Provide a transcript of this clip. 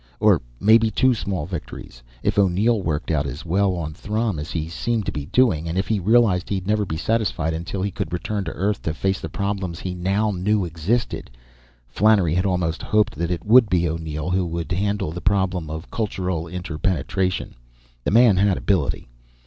Or maybe two small victories, if O'Neill worked out as well on Throm as he seemed to be doing, and if he realized he'd never be satisfied until he could return to Earth to face the problems he now knew existed. Flannery had almost hoped that it would be O'Neill who would handle the problem of cultural interpenetration. The man had ability.